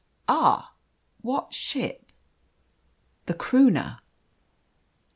"Ah! What ship?" "The Croonah."